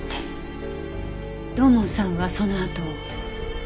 土門さんはそのあと？